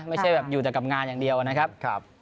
ไม่ใช่แบบอยู่แต่กับงานอย่างเดียวนะครับ